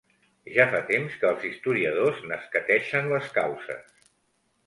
Ja fa temps que els historiadors n'escateixen les causes.